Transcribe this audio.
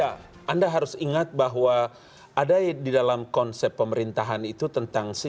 kami akan segera kembali